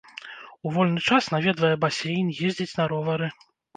У вольны час наведвае басейн, ездзіць на ровары.